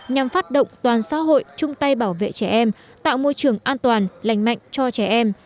nhằm phát động toàn xã hội chung tay bảo vệ trẻ em tạo môi trường an toàn lành mạnh cho trẻ em